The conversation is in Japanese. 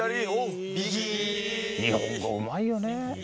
日本語うまいよね。